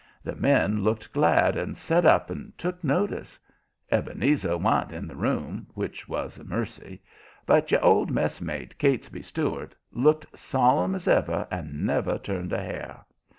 The men looked glad and set up and took notice. Ebenezer wa'n't in the room which was a mercy but your old mess mate, Catesby Stuart, looked solemn as ever and never turned a hair.